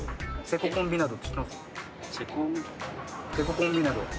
セココンビナド？